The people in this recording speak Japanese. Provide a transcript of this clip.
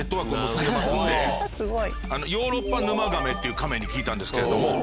ヨーロッパヌマガメっていうカメに聞いたんですけれども。